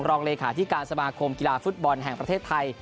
รองเลขาธิการสมาคมกีฬาฟุตบอลแห่งประเทศไทย